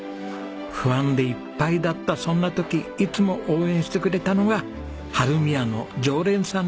不安でいっぱいだったそんな時いつも応援してくれたのが春見屋の常連さんたちでした。